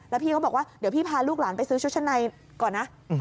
แล้วพี่ก็บอกว่าเดี๋ยวพี่พาลูกหลานไปซื้อชุดชั้นในก่อนนะ